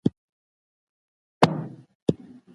هغوی د تور چای په څښلو بوخت دي.